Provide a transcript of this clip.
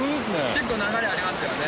結構流れありますよね。